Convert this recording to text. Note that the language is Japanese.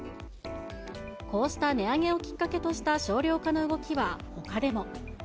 こうした値上げをきっかけとした少量化の動きはほかでも。